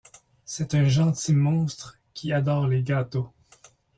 C'est un gentil monstre qui adore les gâteaux.